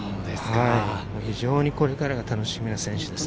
非常にこれからが楽しみな選手です。